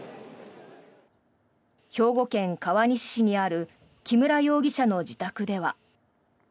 兵庫県川西市にある木村容疑者の自宅では。